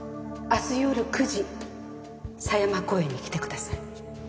明日夜９時狭山公園に来てください。